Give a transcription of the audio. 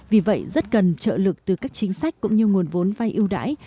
vì vậy rất cần trợ lực từ các chính sách cũng như nguồn vốn vay ưu đãi